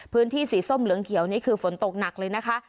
พื้นที่สีส้มเหลืองเขียวนี่คือฝนตกหนักเลยนะคะ